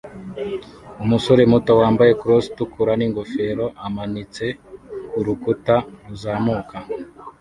Umusore muto wambaye Crocs itukura n'ingofero amanitse kurukuta ruzamuka